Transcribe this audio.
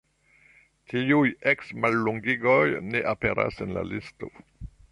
Tiuj eks-mallongigoj ne aperas en la listo.